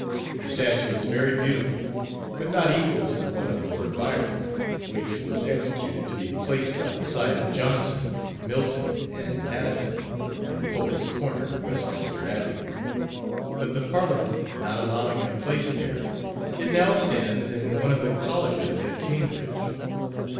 The statue is very beautiful, but not equal to the one of Lord Byron, which was executed to be placed by the side of Johnson, Milton, and Addison, in Poets' Corner, Westminster Abbey; but the Parliament not allowing it a place there, it now stands in one of the Colleges at Cambridge.